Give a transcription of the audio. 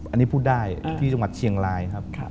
อันนี้พูดได้ที่จังหวัดเชียงรายครับ